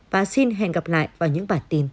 và xin hẹn gặp lại vào những bản tin tiếp theo